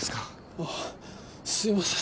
あっすいません